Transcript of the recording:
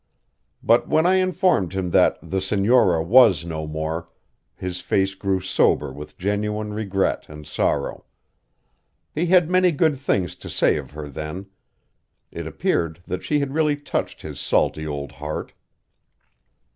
But when I informed him that "the senora" was no more, his face grew sober with genuine regret and sorrow. He had many good things to say of her then; it appeared that she had really touched his salty old heart.